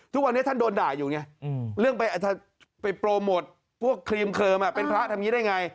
ทุกวันนี้ท่านโดนด่าอยู่ไงเรื่องไปโปรโมทพวกครีมเคลิมเป็นพระทำอย่างนี้ได้ไง